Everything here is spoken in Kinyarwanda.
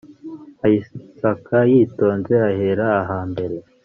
ayisaka yitonze ahera ahambere